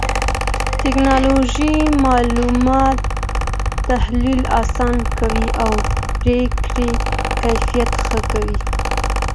ټکنالوژي معلومات تحليل آسانه کوي او پرېکړې کيفيت ښه کوي.